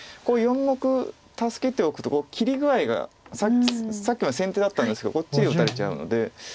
４目助けておくと切り具合がさっきまで先手だったんですけどこっちへ打たれちゃうので。